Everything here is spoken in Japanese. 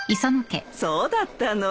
そうだったの。